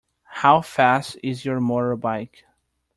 How fast is your motorbike?